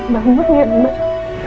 bangun ya bang